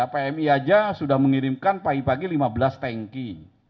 pmi saja sudah mengirimkan pagi pagi lima belas tanki